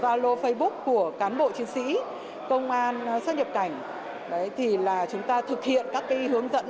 zalo facebook vneid sau đó sử dụng chính các tài khoản đã đánh cắp để thực hiện hành vi lừa đảo